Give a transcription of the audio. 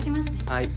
はい。